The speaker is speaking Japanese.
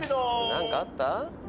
何かあった？